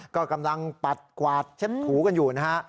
ก็กำลังปัดกวาดเช็ดถูกันอยู่นะฮะ